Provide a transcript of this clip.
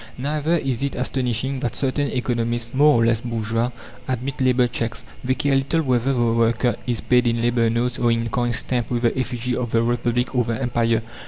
Neither is it astonishing that certain economists, more or less bourgeois, admit labour cheques. They care little whether the worker is paid in labour notes or in coin stamped with the effigy of the Republic or the Empire.